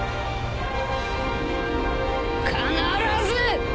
必ず！